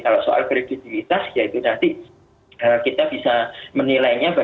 kalau soal kredibilitas ya itu nanti kita bisa menilainya